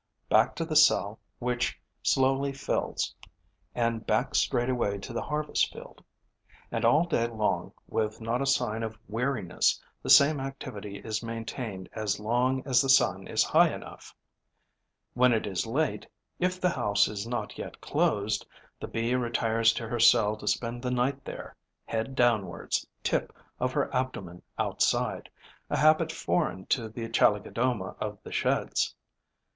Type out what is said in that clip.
Back to the cell, which slowly fills; and back straightway to the harvest field. And all day long, with not a sign of weariness, the same activity is maintained as long as the sun is high enough. When it is late, if the house is not yet closed, the Bee retires to her cell to spend the night there, head downwards, tip of her abdomen outside, a habit foreign to the Chalicodoma of the Sheds.